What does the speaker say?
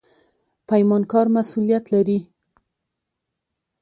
پیمانکار مسوولیت لري